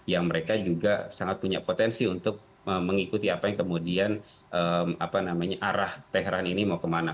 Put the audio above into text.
yang mereka juga sangat punya potensi untuk mengikuti apa yang kemudian arah teheran ini mau kemana